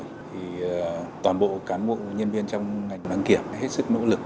thì toàn bộ cán bộ nhân viên trong ngành đăng kiểm hết sức nỗ lực